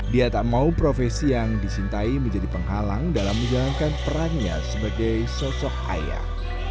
dia tak mau profesi yang disintai menjadi penghalang dalam menjalankan perannya sebagai sosok ayah